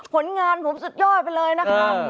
ผลงานผมสุดยอดไปเลยนะครับ